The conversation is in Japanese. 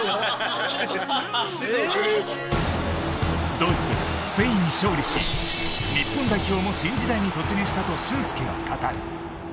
ドイツ、スペインに勝利し日本代表も新時代に突入したと俊輔は語る。